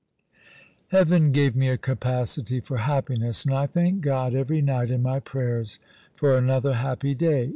Heaven gave me a capacity for happiness, and I thank God every night in my prayers for another happy day.